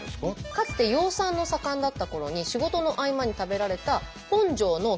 かつて養蚕の盛んだったころに仕事の合間に食べられた本庄の郷土料理いわゆるすいとん。